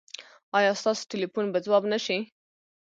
ایا ستاسو ټیلیفون به ځواب نه شي؟